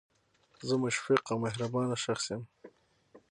زه مشفق او مهربانه شخص یم